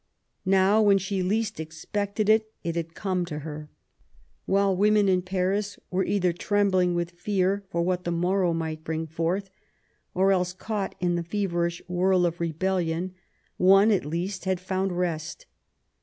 Now, when she least expected it, it had come to her. While women in Paris were either trembling with fear for what the morrow might bring forth, or else caught in the feverish whirl of rebellion^ one at least had found rest.